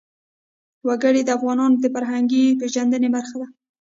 وګړي د افغانانو د فرهنګي پیژندنې برخه ده.